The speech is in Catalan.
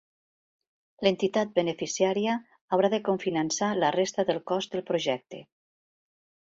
L'entitat beneficiària haurà de cofinançar la resta del cost del projecte.